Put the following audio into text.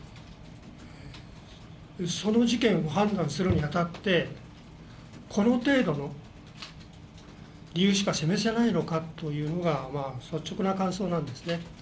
その事件を判断するにあたってこの程度の理由しか示せないのかというのが率直な感想なんですね。